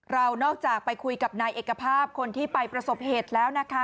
นอกจากไปคุยกับนายเอกภาพคนที่ไปประสบเหตุแล้วนะคะ